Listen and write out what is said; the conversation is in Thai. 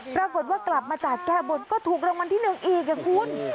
ปรากฏว่ากลับมาจากแก้บนก็ถูกรางวัลที่๑อีกคุณ